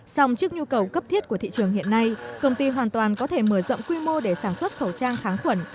xong trước nhu cầu cấp thiết của thị trường hiện nay công ty hoàn toàn có thể mở rộng quy mô để sản xuất khẩu trang kháng khuẩn